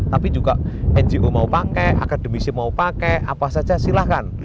tapi juga ngo mau pakai akademisi mau pakai apa saja silahkan